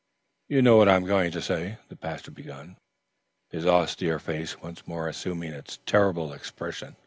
"You know what I am going to say," the pastor began, his austere face once more assuming its terrible expression.